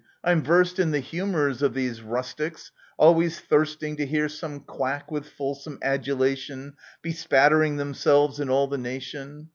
I'm versed in The humours of these rustics, always thirsting To hear some quack with fulsome adulation Bespattering themselves and all the nation.